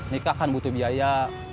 nikah kan butuh biaya